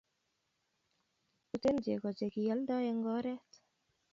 Tuten cheko che keyaldo en oret